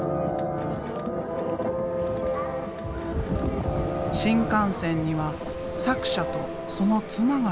新幹線には作者とその妻が住んでいる。